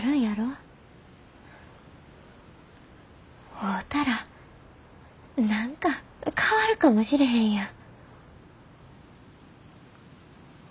会うたら何か変わるかもしれへんやん。